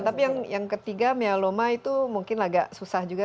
tapi yang ketiga meyaloma itu mungkin agak susah juga